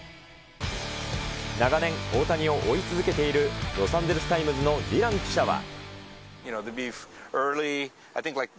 長年、大谷を追い続けているロサンゼルスタイムズのディラン記者は。